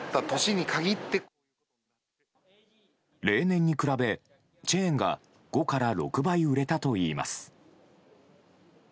例年に比べチェーンが５から６倍売れたといいます。